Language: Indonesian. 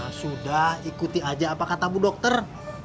ya sudah ikuti aja apa kata bu dokter